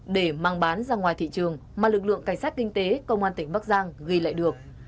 để mang bán ra ngoài thị trường mà lực lượng cảnh sát kinh tế công an tỉnh bắc giang ghi lại được